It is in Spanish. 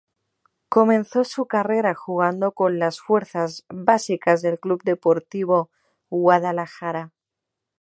Comenzó su carrera jugando con las fuerzas básicas del Club Deportivo Guadalajara.